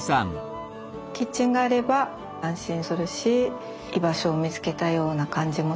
キッチンがあれば安心するし居場所を見つけたような感じもするし。